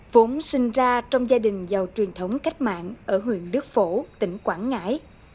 vốn sinh ra trong gia đình giàu truyền thống cách mạng ở huyện đức phổ tỉnh quảng ngãi